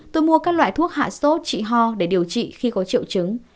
tôi mua các loại thuốc hạ sốt trị ho để điều trị khi có triệu chứng